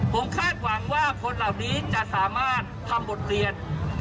ผมคาดหวังว่าคนเหล่านี้จะสามารถทำบทเรียน